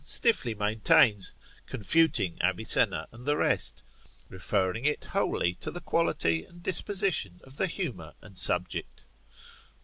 stiffly maintains, confuting Avicenna and the rest, referring it wholly to the quality and disposition of the humour and subject.